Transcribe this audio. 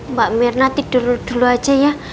mbak mirna tidur dulu aja ya